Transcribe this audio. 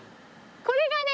これがね